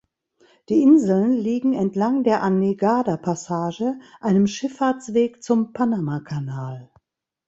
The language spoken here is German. Die Inseln liegen entlang der Anegada-Passage, einem Schifffahrtsweg zum Panamakanal.